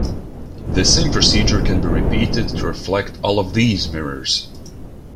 This same procedure can be repeated to reflect all of these mirrors.